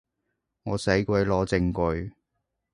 我使鬼攞證據